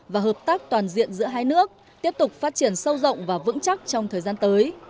và hợp tác toàn diện giữa hai nước tiếp tục phát triển sâu rộng và vững chắc trong thời gian tới